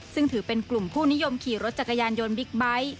ซึ่งถือเป็นกลุ่มผู้นิยมขี่รถจักรยานยนต์บิ๊กไบท์